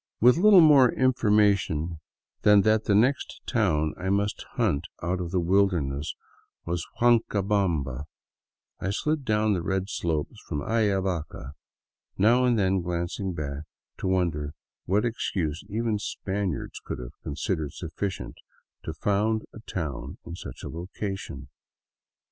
With little more information than that the next town I must hunt out of the wilderness was Huancabamba, I slid down the red slopes from Ayavaca, now and then glancing back to wonder what excuse even Spaniards could have considered sufficient to found a town in such a location.